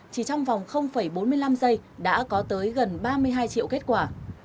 chỉ trong vòng bốn mươi năm giây đã có tới gần ba mươi hai triệu kết quả